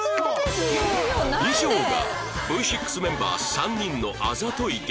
以上が Ｖ６ メンバー３人のあざとい言動